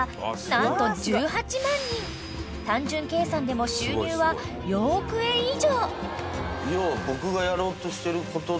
［単純計算でも収入は４億円以上］